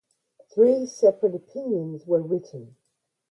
Three separate opinions were written.